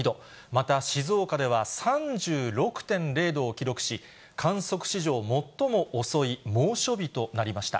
また静岡では３６．０度を記録し、観測史上最も遅い猛暑日となりました。